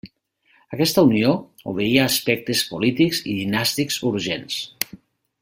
Aquesta unió obeïa a aspectes polítics i dinàstics urgents.